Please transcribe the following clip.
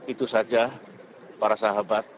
itu saja para sahabat